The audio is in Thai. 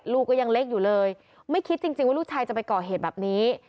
ลูกก็ยังเล็กอยู่เลยไม่คิดจริงว่าลูกชายจะไปก่อเหตุแบบนี้